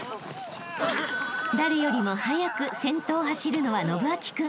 ［誰よりも速く先頭を走るのは伸光君］